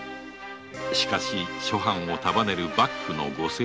しかし諸藩を束ねる幕府のご政道。